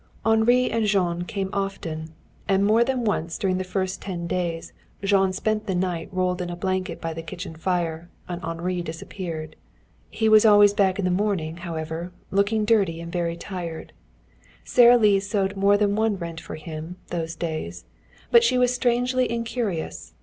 Henri and Jean came often. And more than once during the first ten days Jean spent the night rolled in a blanket by the kitchen fire, and Henri disappeared. He was always back in the morning, however, looking dirty and very tired. Sara Lee sewed more than one rent for him, those days, but she was strangely incurious.